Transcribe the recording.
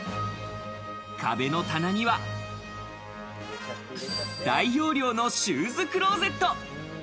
壁の棚には、大容量のシューズクローゼット。